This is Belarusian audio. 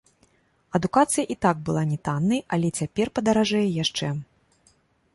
Адукацыя і так была не таннай, але цяпер падаражэе яшчэ.